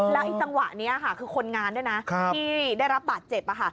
แล้วไอ้จังหวะนี้ค่ะคือคนงานด้วยนะที่ได้รับบาดเจ็บ